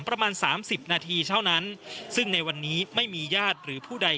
ประมาณสามสิบนาทีเท่านั้นซึ่งในวันนี้ไม่มีญาติหรือผู้ใด